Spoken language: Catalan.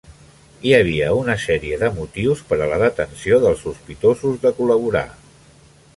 Hi havia una sèrie de motius per a la detenció dels sospitosos de col·laborar.